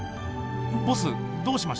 ボスどうしました？